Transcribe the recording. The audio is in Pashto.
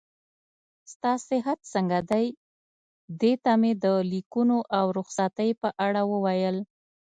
ستا صحت څنګه دی؟ دې ته مې د لیکونو او رخصتۍ په اړه وویل.